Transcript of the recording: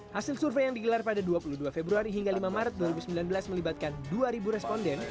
hasil survei yang digelar pada dua puluh dua februari hingga lima maret dua ribu sembilan belas melibatkan dua responden